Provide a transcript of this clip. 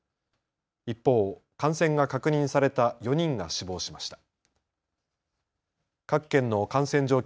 一方、感染が確認された４人が死亡しました。